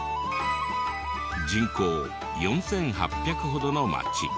人口４８００ほどの町。